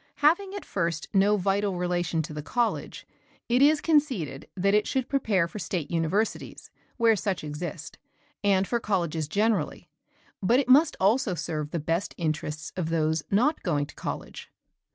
Having at first no vital relation to the college, it is conceded that it should prepare for State universities, where such exist, and for colleges generally, but it must also serve the best interests of those not going to college.